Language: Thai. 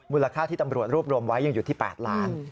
ค่าที่ตำรวจรวบรวมไว้ยังอยู่ที่๘ล้าน